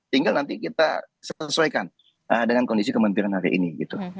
tinggal nanti kita sesuaikan dengan kondisi kementerian hari ini gitu